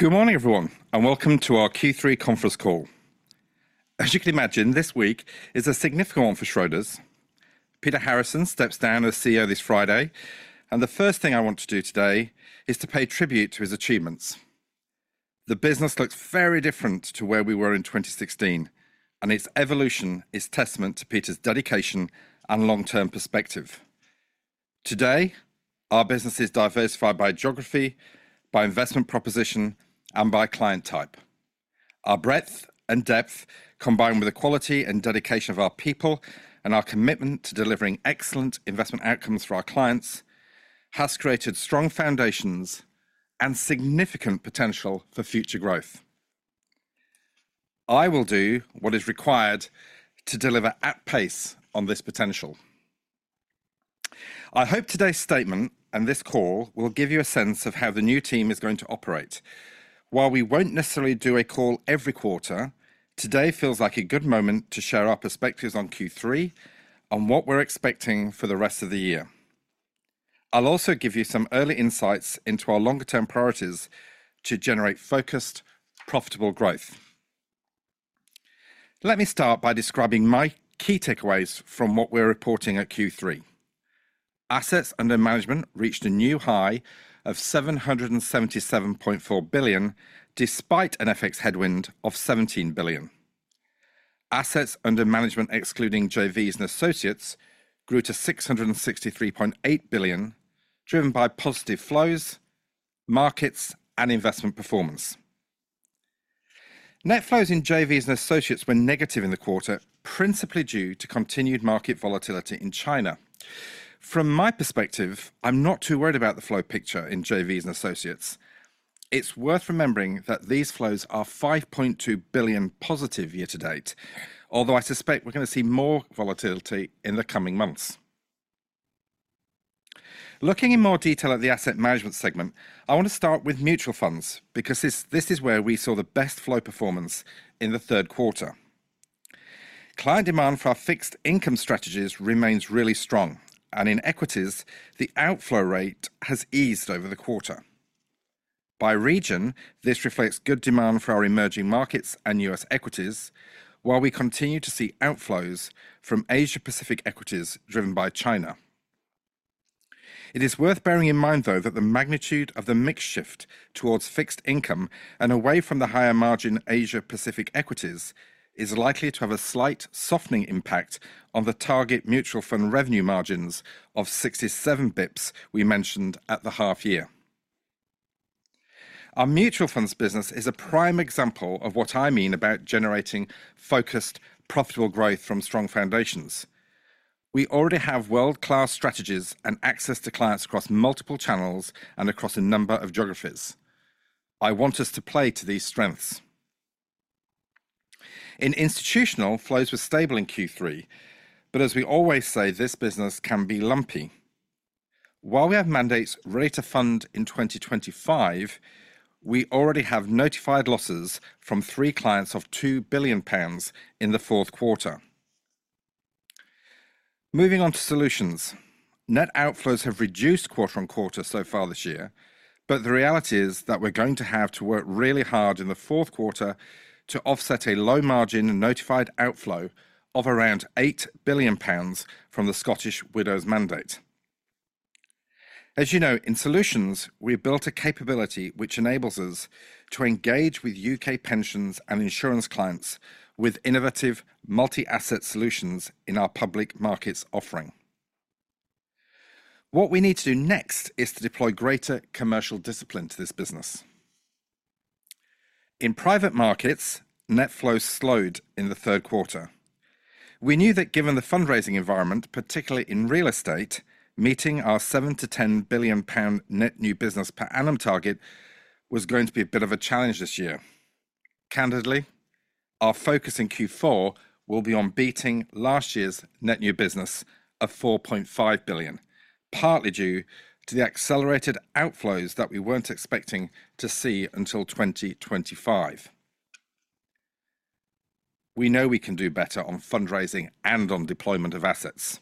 Good morning, everyone, and welcome to our Q3 Conference Call. As you can imagine, this week is a significant one for Schroders. Peter Harrison steps down as CEO this Friday, and the first thing I want to do today is to pay tribute to his achievements. The business looks very different to where we were in 2016, and its evolution is a testament to Peter's dedication and long-term perspective. Today, our business is diversified by geography, by investment proposition, and by client type. Our breadth and depth, combined with the quality and dedication of our people and our commitment to delivering excellent investment outcomes for our clients, has created strong foundations and significant potential for future growth. I will do what is required to deliver at pace on this potential. I hope today's statement and this call will give you a sense of how the new team is going to operate. While we won't necessarily do a call every quarter, today feels like a good moment to share our perspectives on Q3 and what we're expecting for the rest of the year. I'll also give you some early insights into our longer-term priorities to generate focused, profitable growth. Let me start by describing my key takeaways from what we're reporting at Q3. Assets under management reached a new high of 777.4 billion, despite an FX headwind of 17 billion. Assets under management, excluding JVs and associates, grew to $663.8 billion, driven by positive flows, markets, and investment performance. Net flows in JVs and associates were negative in the quarter, principally due to continued market volatility in China. From my perspective, I'm not too worried about the flow picture in JVs and associates. It's worth remembering that these flows are 5.2 billion positive year-to-date, although I suspect we're going to see more volatility in the coming months. Looking in more detail at the asset management segment, I want to start with mutual funds because this is where we saw the best flow performance in the third quarter. Client demand for our fixed income strategies remains really strong, and in equities, the outflow rate has eased over the quarter. By region, this reflects good demand for our emerging markets and U.S. equities, while we continue to see outflows from Asia-Pacific equities driven by China. It is worth bearing in mind, though, that the magnitude of the mix shift towards fixed income and away from the higher-margin Asia-Pacific equities is likely to have a slight softening impact on the target mutual fund revenue margins of 67 basis points we mentioned at the half-year. Our mutual funds business is a prime example of what I mean about generating focused, profitable growth from strong foundations. We already have world-class strategies and access to clients across multiple channels and across a number of geographies. I want us to play to these strengths. In institutional, flows were stable in Q3, but as we always say, this business can be lumpy. While we have mandates ready to fund in 2025, we already have notified losses from three clients of 2 billion pounds in the fourth quarter. Moving on to solutions, net outflows have reduced quarter on quarter so far this year, but the reality is that we're going to have to work really hard in the fourth quarter to offset a low-margin notified outflow of around 8 billion pounds from the Scottish Widows mandate. As you know, in solutions, we've built a capability which enables us to engage with U.K. pensions and insurance clients with innovative multi-asset solutions in our public markets offering. What we need to do next is to deploy greater commercial discipline to this business. In private markets, net flows slowed in the third quarter. We knew that given the fundraising environment, particularly in real estate, meeting our 7-10 billion pound net new business per annum target was going to be a bit of a challenge this year. Candidly, our focus in Q4 will be on beating last year's net new business of 4.5 billion, partly due to the accelerated outflows that we weren't expecting to see until 2025. We know we can do better on fundraising and on deployment of assets,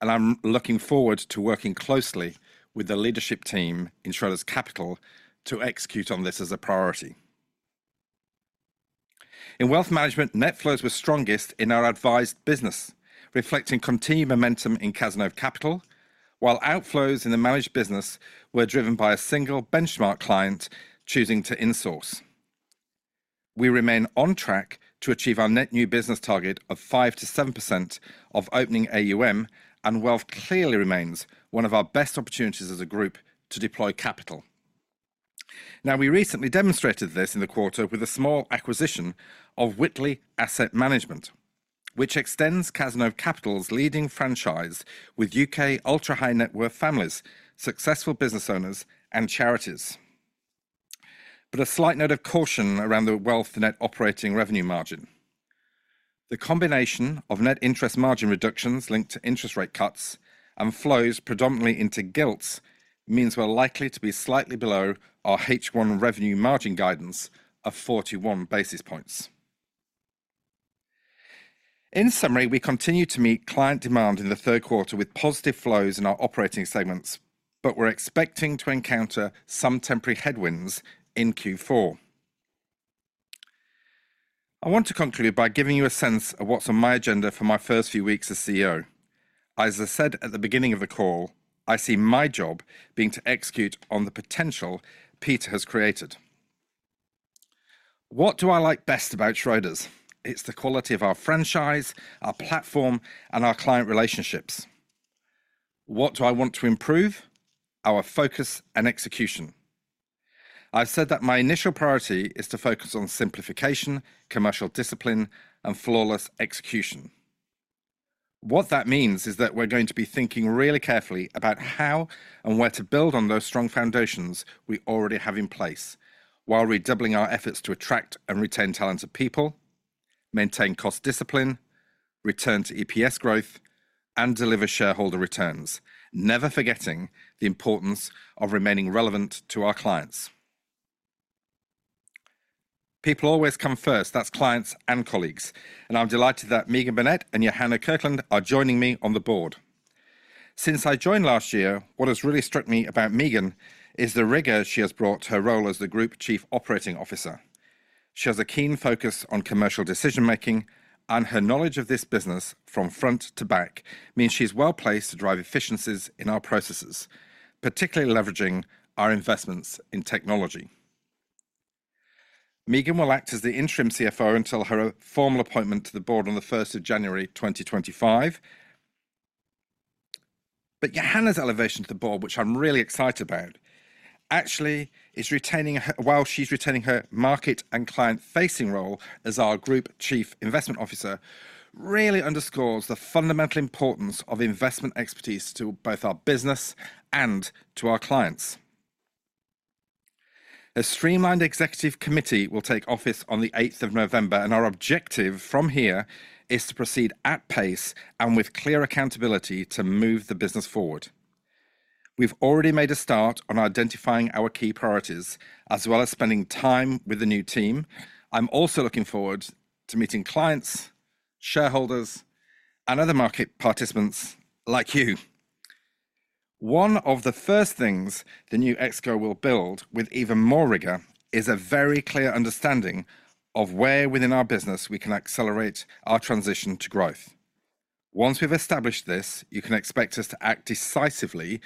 and I'm looking forward to working closely with the leadership team in Schroders Capital to execute on this as a priority. In wealth management, net flows were strongest in our advised business, reflecting continued momentum in Cazenove Capital, while outflows in the managed business were driven by a single benchmark client choosing to insource. We remain on track to achieve our net new business target of 5%-7% of opening AUM, and wealth clearly remains one of our best opportunities as a group to deploy capital. Now, we recently demonstrated this in the quarter with a small acquisition of Whitley Asset Management, which extends Cazenove Capital's leading franchise with U.K. ultra-high net worth families, successful business owners, and charities. But a slight note of caution around the wealth net operating revenue margin. The combination of net interest margin reductions linked to interest rate cuts and flows predominantly into gilts means we're likely to be slightly below our H1 revenue margin guidance of 41 basis points. In summary, we continue to meet client demand in the third quarter with positive flows in our operating segments, but we're expecting to encounter some temporary headwinds in Q4. I want to conclude by giving you a sense of what's on my agenda for my first few weeks as CEO. As I said at the beginning of the call, I see my job being to execute on the potential Peter has created. What do I like best about Schroders? It's the quality of our franchise, our platform, and our client relationships. What do I want to improve? Our focus and execution. I've said that my initial priority is to focus on simplification, commercial discipline, and flawless execution. What that means is that we're going to be thinking really carefully about how and where to build on those strong foundations we already have in place, while redoubling our efforts to attract and retain talented people, maintain cost discipline, return to EPS growth, and deliver shareholder returns, never forgetting the importance of remaining relevant to our clients. People always come first. That's clients and colleagues, and I'm delighted that Meagen Burnett and Johanna Kyrklund are joining me on the board. Since I joined last year, what has really struck me about Meagen is the rigor she has brought to her role as the Group Chief Operating Officer. She has a keen focus on commercial decision-making, and her knowledge of this business from front to back means she's well placed to drive efficiencies in our processes, particularly leveraging our investments in technology. Meagen will act as the interim CFO until her formal appointment to the board on the 1st of January 2025. But Johanna's elevation to the board, which I'm really excited about, actually is retaining while she's retaining her market and client-facing role as our Group Chief Investment Officer, really underscores the fundamental importance of investment expertise to both our business and to our clients. A streamlined executive committee will take office on the 8th of November, and our objective from here is to proceed at pace and with clear accountability to move the business forward. We've already made a start on identifying our key priorities, as well as spending time with the new team. I'm also looking forward to meeting clients, shareholders, and other market participants like you. One of the first things the new ExCo will build with even more rigor is a very clear understanding of where within our business we can accelerate our transition to growth. Once we've established this, you can expect us to act decisively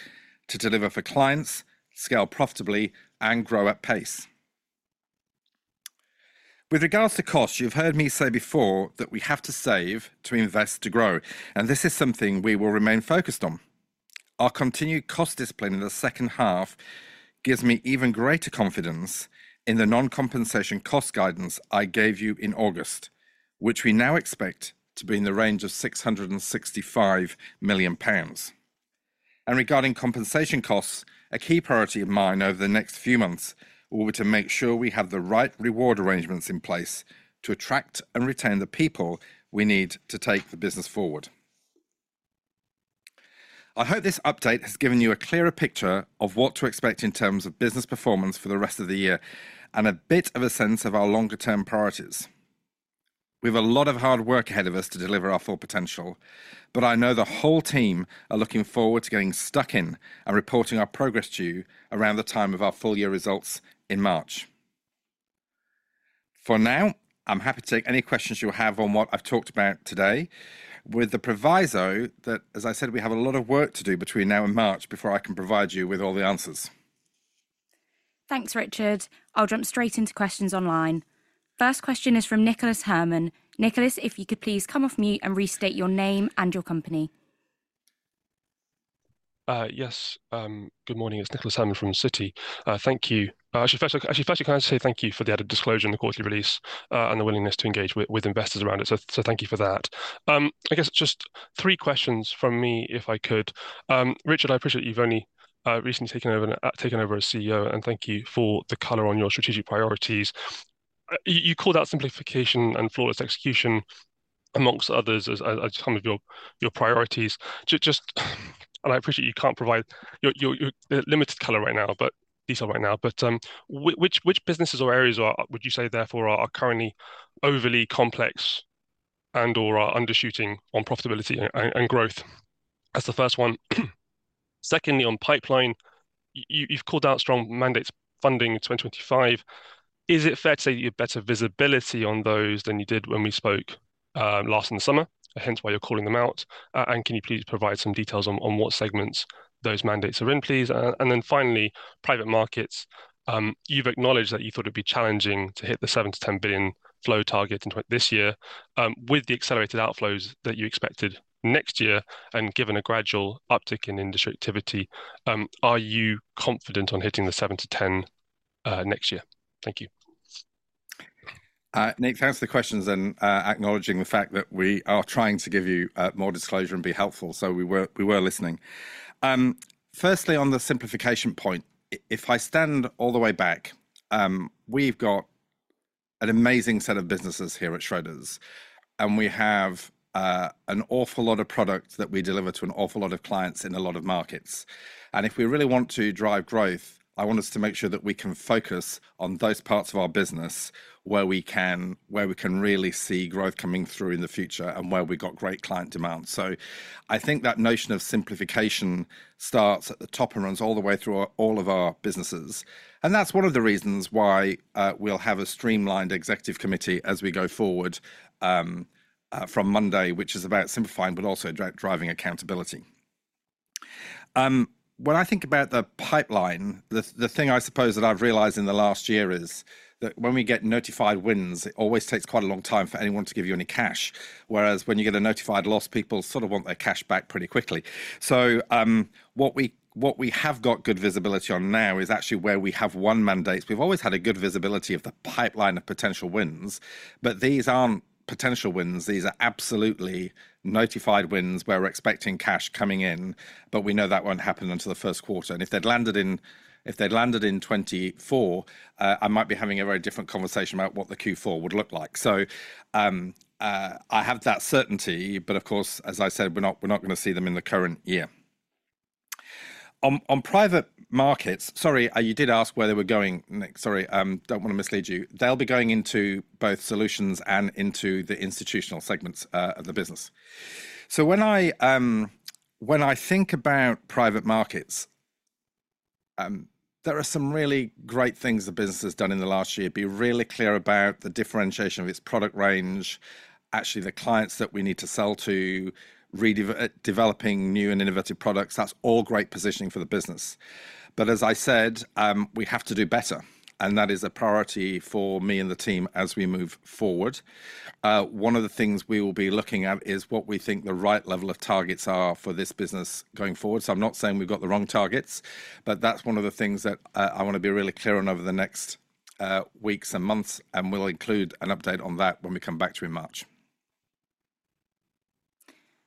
to deliver for clients, scale profitably, and grow at pace. With regards to costs, you've heard me say before that we have to save to invest to grow, and this is something we will remain focused on. Our continued cost discipline in the second half gives me even greater confidence in the non-compensation cost guidance I gave you in August, which we now expect to be in the range of £665 million, and regarding compensation costs, a key priority of mine over the next few months will be to make sure we have the right reward arrangements in place to attract and retain the people we need to take the business forward. I hope this update has given you a clearer picture of what to expect in terms of business performance for the rest of the year and a bit of a sense of our longer-term priorities. We have a lot of hard work ahead of us to deliver our full potential, but I know the whole team are looking forward to getting stuck in and reporting our progress to you around the time of our full year results in March. For now, I'm happy to take any questions you have on what I've talked about today, with the proviso that, as I said, we have a lot of work to do between now and March before I can provide you with all the answers. Thanks, Richard. I'll jump straight into questions online. First question is from Nicholas Herman. Nicholas, if you could please come off mute and restate your name and your company. Yes, good morning. It's Nicholas Herman from Citi. Thank you. Actually, first, I can say thank you for the added disclosure and the quarterly release and the willingness to engage with investors around it. So thank you for that. I guess just three questions from me, if I could. Richard, I appreciate you've only recently taken over as CEO, and thank you for the color on your strategic priorities. You called out simplification and flawless execution, among others, as some of your priorities. And I appreciate you can't provide limited color right now, but detail right now. But which businesses or areas would you say, therefore, are currently overly complex and/or are undershooting on profitability and growth? That's the first one. Secondly, on pipeline, you've called out strong mandates funding 2025. Is it fair to say that you have better visibility on those than you did when we spoke last in the summer? Hence why you're calling them out. And can you please provide some details on what segments those mandates are in, please? And then finally, private markets, you've acknowledged that you thought it would be challenging to hit the 7-10 billion flow target this year. With the accelerated outflows that you expected next year and given a gradual uptick in industry activity, are you confident on hitting the 7-10 next year? Thank you. Nick, thanks for the questions and acknowledging the fact that we are trying to give you more disclosure and be helpful, so we were listening. Firstly, on the simplification point, if I stand all the way back, we've got an amazing set of businesses here at Schroders, and we have an awful lot of product that we deliver to an awful lot of clients in a lot of markets. And if we really want to drive growth, I want us to make sure that we can focus on those parts of our business where we can really see growth coming through in the future and where we've got great client demand. So I think that notion of simplification starts at the top and runs all the way through all of our businesses. And that's one of the reasons why we'll have a streamlined executive committee as we go forward from Monday, which is about simplifying but also driving accountability. When I think about the pipeline, the thing I suppose that I've realized in the last year is that when we get notified wins, it always takes quite a long time for anyone to give you any cash, whereas when you get a notified loss, people sort of want their cash back pretty quickly. So what we have got good visibility on now is actually where we have won mandates. We've always had a good visibility of the pipeline of potential wins, but these aren't potential wins. These are absolutely notified wins where we're expecting cash coming in, but we know that won't happen until the first quarter. And if they'd landed in 2024, I might be having a very different conversation about what the Q4 would look like. So I have that certainty, but of course, as I said, we're not going to see them in the current year. On private markets, sorry, you did ask where they were going, Nick. Sorry, don't want to mislead you. They'll be going into both solutions and into the institutional segments of the business. So when I think about private markets, there are some really great things the business has done in the last year. Be really clear about the differentiation of its product range, actually the clients that we need to sell to, developing new and innovative products. That's all great positioning for the business. But as I said, we have to do better, and that is a priority for me and the team as we move forward. One of the things we will be looking at is what we think the right level of targets are for this business going forward. So I'm not saying we've got the wrong targets, but that's one of the things that I want to be really clear on over the next weeks and months, and we'll include an update on that when we come back to you in March.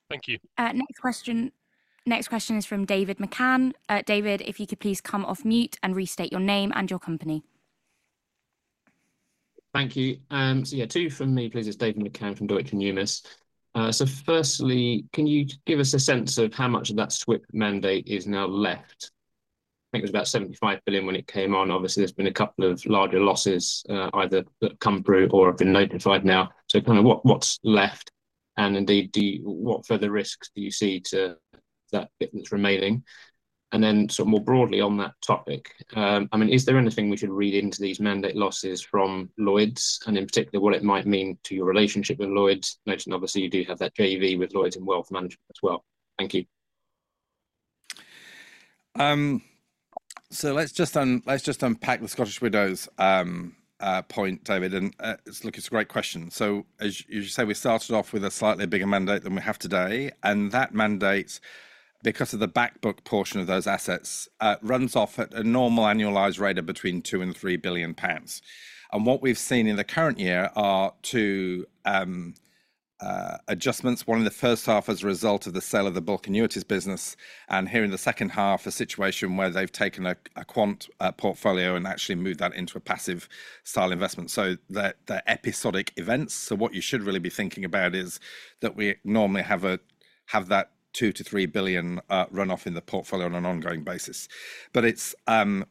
Thank you. Next question is from David McCann. David, if you could please come off mute and restate your name and your company. Thank you. So yeah, two from me, please. It's David McCann from Deutsche Numis. So firstly, can you give us a sense of how much of that Scottish Widows mandate is now left? I think it was about 75 billion when it came on. Obviously, there's been a couple of larger losses either that come through or have been notified now. So kind of what's left? And indeed, what further risks do you see to that bit that's remaining? And then sort of more broadly on that topic, I mean, is there anything we should read into these mandate losses from Lloyds? And in particular, what it might mean to your relationship with Lloyds? Noting, obviously, you do have that JV with Lloyds in wealth management as well. Thank you. So let's just unpack the Scottish Widows point, David. And it's a great question. So as you say, we started off with a slightly bigger mandate than we have today. And that mandate, because of the backbook portion of those assets, runs off at a normal annualized rate of between 2 billion and 3 billion pounds. And what we've seen in the current year are two adjustments. One in the first half as a result of the sale of the bulk annuities business, and here in the second half, a situation where they've taken a quant portfolio and actually moved that into a passive style investment. So they're episodic events. So what you should really be thinking about is that we normally have that 2 billion-3 billion runoff in the portfolio on an ongoing basis. But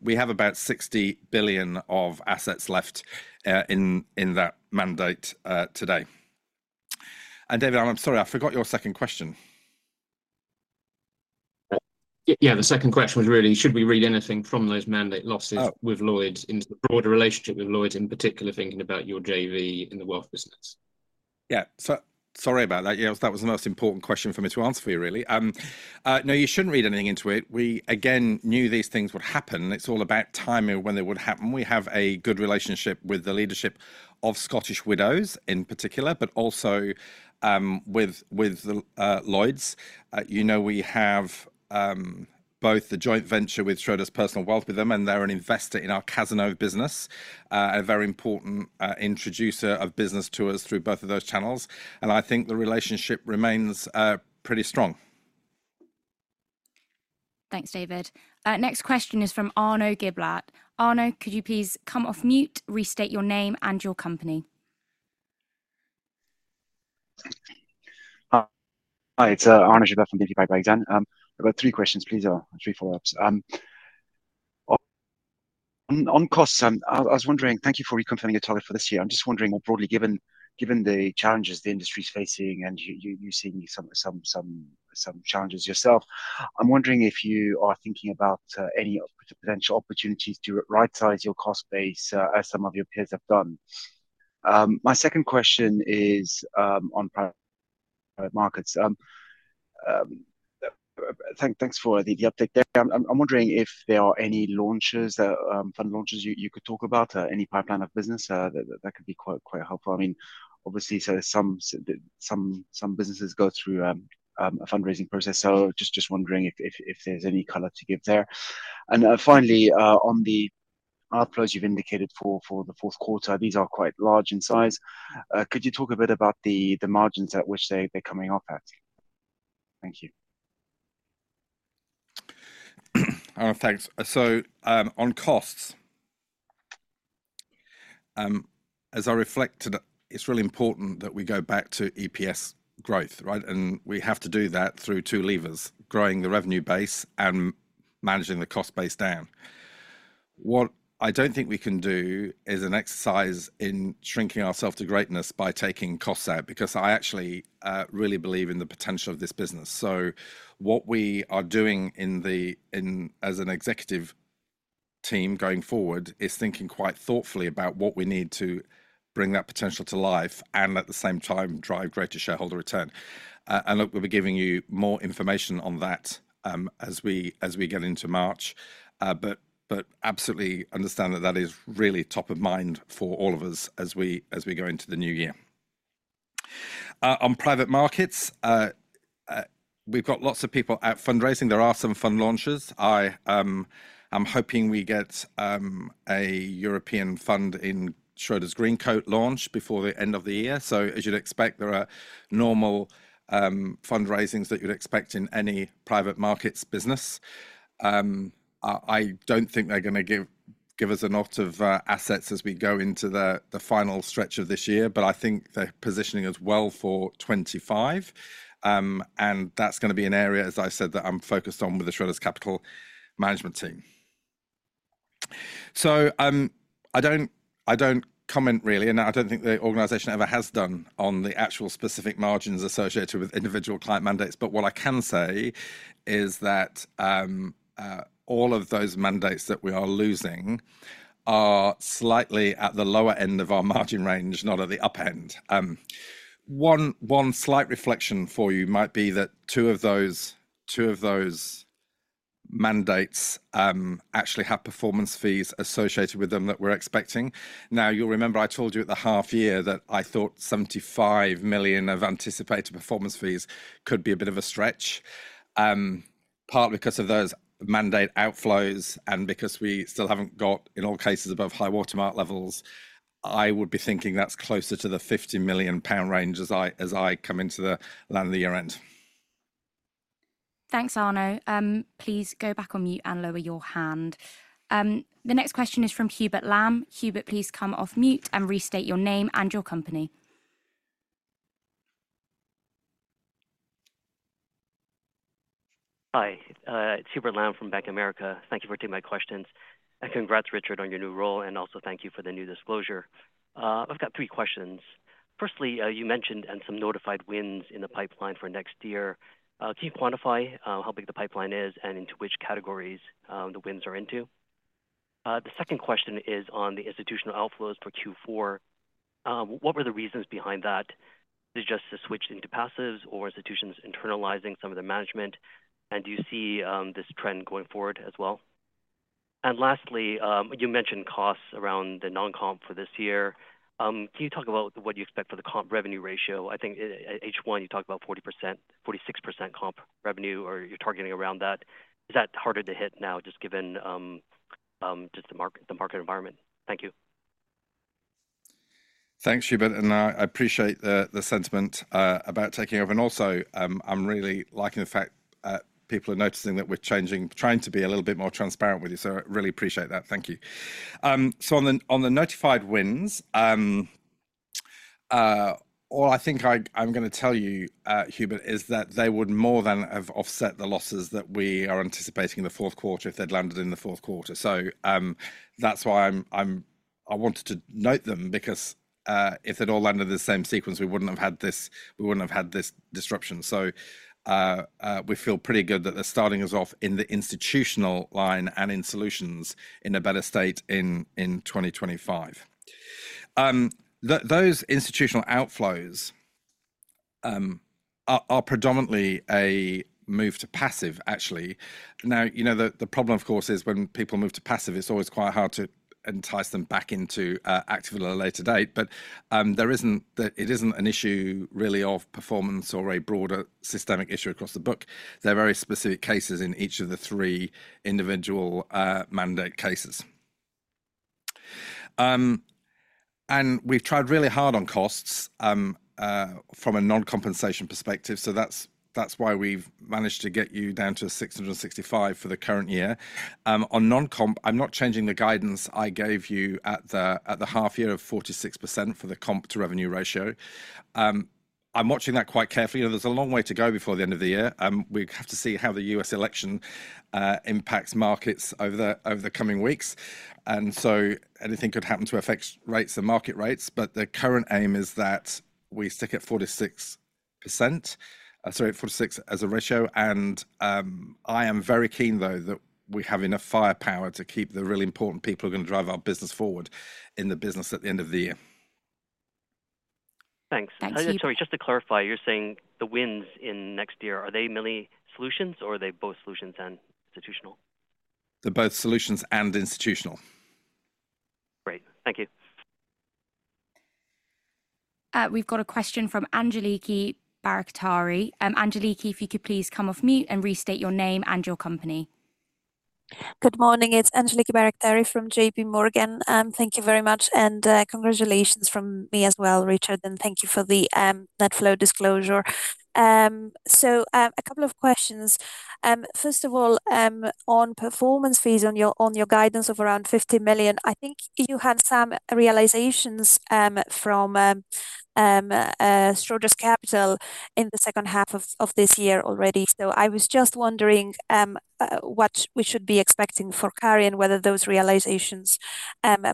we have about 60 billion of assets left in that mandate today. David, I'm sorry, I forgot your second question. Yeah, the second question was really, should we read anything from those mandate losses with Lloyds into the broader relationship with Lloyds, in particular thinking about your JV in the wealth business? Yeah, sorry about that. That was the most important question for me to answer for you, really. No, you shouldn't read anything into it. We, again, knew these things would happen. It's all about timing when they would happen. We have a good relationship with the leadership of Scottish Widows in particular, but also with Lloyds. You know we have both the joint venture with Schroders Personal Wealth with them, and they're an investor in our Cazenove business, a very important introducer of business to us through both of those channels. And I think the relationship remains pretty strong. Thanks, David. Next question is from Arnaud Giblat. Arnaud, could you please come off mute, restate your name and your company? Hi, it's Arnaud Giblat from BNP Paribas Exane. I've got three questions, please, or three follow-ups. On costs, I was wondering, thank you for reconfirming your target for this year. I'm just wondering, more broadly given the challenges the industry is facing and you're seeing some challenges yourself, I'm wondering if you are thinking about any potential opportunities to right-size your cost base as some of your peers have done. My second question is on private markets. Thanks for the update there. I'm wondering if there are any fund launches you could talk about, any pipeline of business. That could be quite helpful. I mean, obviously, some businesses go through a fundraising process, so just wondering if there's any color to give there. And finally, on the outflows you've indicated for the fourth quarter, these are quite large in size. Could you talk a bit about the margins at which they're coming off at? Thank you. Thanks. So on costs, as I reflected, it's really important that we go back to EPS growth, right? And we have to do that through two levers: growing the revenue base and managing the cost base down. What I don't think we can do is an exercise in shrinking ourselves to greatness by taking costs out, because I actually really believe in the potential of this business. So what we are doing as an executive team going forward is thinking quite thoughtfully about what we need to bring that potential to life and at the same time drive greater shareholder return. And look, we'll be giving you more information on that as we get into March, but absolutely understand that that is really top of mind for all of us as we go into the new year. On private markets, we've got lots of people at fundraising. There are some fund launches. I'm hoping we get a European fund in Schroders Greencoat launch before the end of the year, so as you'd expect, there are normal fundraisings that you'd expect in any private markets business. I don't think they're going to give us a lot of assets as we go into the final stretch of this year, but I think they're positioning as well for 2025. And that's going to be an area, as I said, that I'm focused on with the Schroders Capital management team, so I don't comment, really, and I don't think the organization ever has done on the actual specific margins associated with individual client mandates. But what I can say is that all of those mandates that we are losing are slightly at the lower end of our margin range, not at the up end. One slight reflection for you might be that two of those mandates actually have performance fees associated with them that we're expecting. Now, you'll remember I told you at the half year that I thought 75 million of anticipated performance fees could be a bit of a stretch, partly because of those mandate outflows and because we still haven't got, in all cases, above high watermark levels. I would be thinking that's closer to the 50 million pound range as I come into the land of the year end. Thanks, Arno. Please go back on mute and lower your hand. The next question is from Hubert Lam. Hubert, please come off mute and restate your name and your company. Hi, it's Hubert Lam from Bank of America. Thank you for taking my questions. I congratulate, Richard, on your new role, and also thank you for the new disclosure. I've got three questions. Firstly, you mentioned some notified wins in the pipeline for next year. Can you quantify how big the pipeline is and into which categories the wins are into? The second question is on the institutional outflows for Q4. What were the reasons behind that? Is it just a switch into passives or institutions internalizing some of the management? And do you see this trend going forward as well? And lastly, you mentioned costs around the non-comp for this year. Can you talk about what you expect for the comp revenue ratio? I think at H1, you talked about 46% comp revenue, or you're targeting around that. Is that harder to hit now, just given the market environment? Thank you. Thanks, Hubert. And I appreciate the sentiment about taking over. And also, I'm really liking the fact that people are noticing that we're trying to be a little bit more transparent with you. So I really appreciate that. Thank you. So on the notified wins, all I think I'm going to tell you, Hubert, is that they would more than have offset the losses that we are anticipating in the fourth quarter if they'd landed in the fourth quarter. So that's why I wanted to note them, because if they'd all landed in the same sequence, we wouldn't have had this disruption. So we feel pretty good that they're starting us off in the institutional line and in solutions in a better state in 2025. Those institutional outflows are predominantly a move to passive, actually. Now, you know the problem, of course, is when people move to passive, it's always quite hard to entice them back into active at a later date. But it isn't an issue, really, of performance or a broader systemic issue across the book. They're very specific cases in each of the three individual mandate cases. And we've tried really hard on costs from a non-compensation perspective. So that's why we've managed to get you down to 665 for the current year. On non-comp, I'm not changing the guidance I gave you at the half year of 46% for the comp to revenue ratio. I'm watching that quite carefully. There's a long way to go before the end of the year. We have to see how the U.S. election impacts markets over the coming weeks. And so anything could happen to affect rates and market rates. But the current aim is that we stick at 46%, sorry, 46 as a ratio. And I am very keen, though, that we have enough firepower to keep the really important people who are going to drive our business forward in the business at the end of the year. Thanks. Sorry, just to clarify, you're saying the wins in next year, are they mainly solutions, or are they both solutions and institutional? They're both Solutions and Institutional. Great. Thank you. We've got a question from Angeliki Bairaktari. Angeliki, if you could please come off mute and restate your name and your company. Good morning. It's Angeliki Bairaktari from J.P. Morgan. Thank you very much. And congratulations from me as well, Richard. And thank you for the net flow disclosure. So a couple of questions. First of all, on performance fees on your guidance of around 50 million, I think you had some realizations from Schroders Capital in the second half of this year already. So I was just wondering what we should be expecting for carry and whether those realizations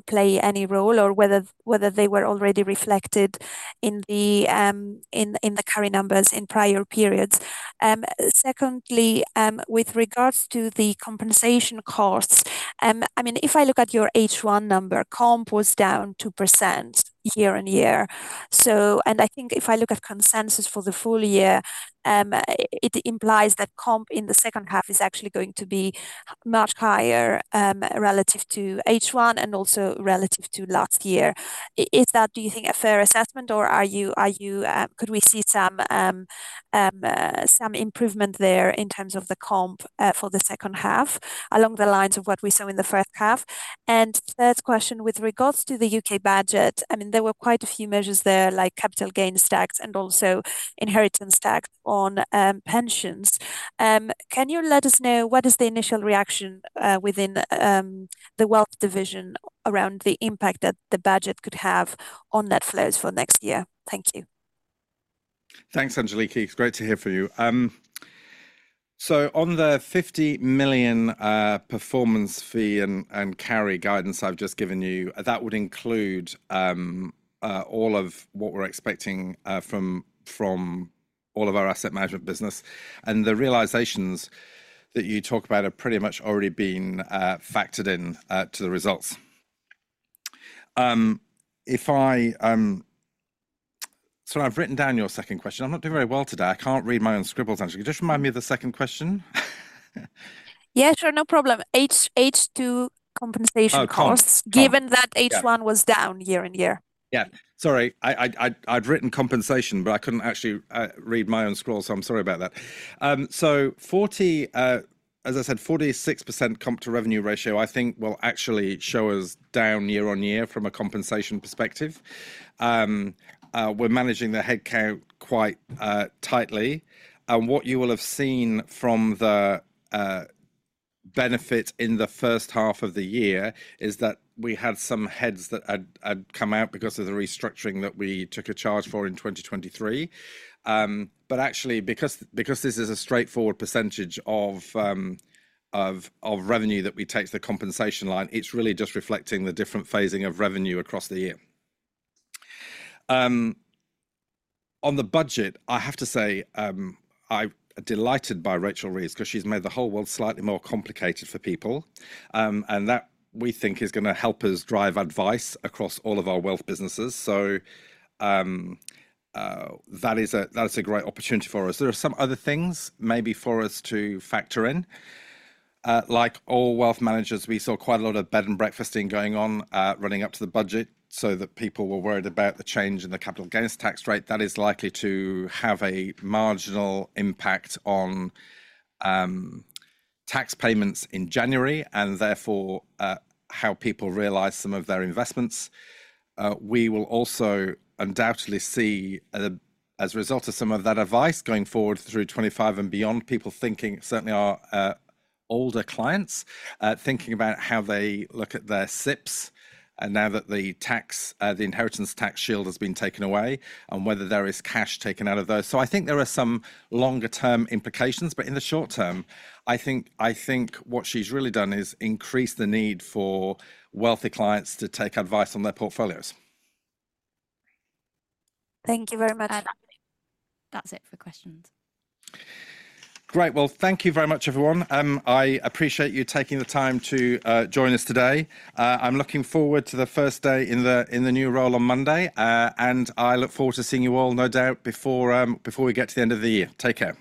play any role or whether they were already reflected in the carry numbers in prior periods. Secondly, with regards to the compensation costs, I mean, if I look at your H1 number, comp was down 2% year on year. And I think if I look at consensus for the full year, it implies that comp in the second half is actually going to be much higher relative to H1 and also relative to last year. Is that, do you think, a fair assessment, or could we see some improvement there in terms of the comp for the second half along the lines of what we saw in the first half? And third question, with regards to the U.K. budget, I mean, there were quite a few measures there, like capital gains tax and also inheritance tax on pensions. Can you let us know what is the initial reaction within the wealth division around the impact that the budget could have on net flows for next year? Thank you. Thanks, Angeliki. It's great to hear from you. So on the 50 million performance fee and carry guidance I've just given you, that would include all of what we're expecting from all of our asset management business. And the realizations that you talk about have pretty much already been factored into the results. So I've written down your second question. I'm not doing very well today. I can't read my own scribbles. Angeliki, just remind me of the second question. Yeah, sure. No problem. H2 compensation costs, given that H1 was down year on year. Yeah. Sorry, I'd written compensation, but I couldn't actually read my own scroll, so I'm sorry about that. So as I said, 46% comp to revenue ratio, I think, will actually show us down year on year from a compensation perspective. We're managing the headcount quite tightly. And what you will have seen from the benefit in the first half of the year is that we had some heads that had come out because of the restructuring that we took a charge for in 2023. But actually, because this is a straightforward percentage of revenue that we take to the compensation line, it's really just reflecting the different phasing of revenue across the year. On the budget, I have to say, I'm delighted by Rachel Reeves because she's made the whole world slightly more complicated for people. That, we think, is going to help us drive advice across all of our wealth businesses. That's a great opportunity for us. There are some other things maybe for us to factor in. Like all wealth managers, we saw quite a lot of bed and breakfasting going on running up to the budget so that people were worried about the change in the capital gains tax rate. That is likely to have a marginal impact on tax payments in January and therefore how people realize some of their investments. We will also undoubtedly see, as a result of some of that advice going forward through 25 and beyond, people thinking, certainly our older clients, thinking about how they look at their SIPs now that the inheritance tax shield has been taken away and whether there is cash taken out of those. So I think there are some longer-term implications. But in the short term, I think what she's really done is increase the need for wealthy clients to take advice on their portfolios. Thank you very much. That's it for questions. Great. Thank you very much, everyone. I appreciate you taking the time to join us today. I'm looking forward to the first day in the new role on Monday, and I look forward to seeing you all, no doubt, before we get to the end of the year. Take care.